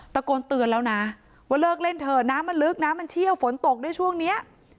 ตะโกนเตือนแล้วนะว่าเลิกเล่นเถอะน้ำมันลึกน้ำมันเชี่ยวฝนตกด้วยช่วงนี้